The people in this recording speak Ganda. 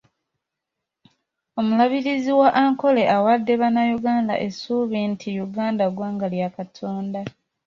Omulabirizi wa Ankole awadde Bannayuganda essuubi nti Uganda ggwanga lya Katonda.